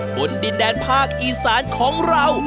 บนดินแดนภาคอีสานของเรา